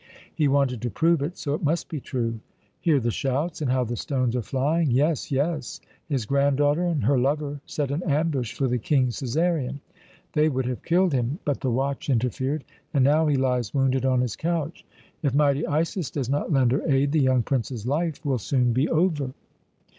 He wanted to prove it, so it must be true. Hear the shouts, and how the stones are flying! Yes, yes. His granddaughter and her lover set an ambush for the King Cæsarion. They would have killed him, but the watch interfered, and now he lies wounded on his couch. If mighty Isis does not lend her aid, the young prince's life will soon be over."